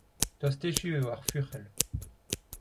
Tost echu eo ar fuc'hell.